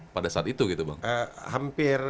pada saat itu gitu bang hampir